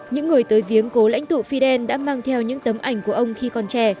những người tới viếng cố lãnh tụ fidel đã mang theo những tấm ảnh của ông khi còn trẻ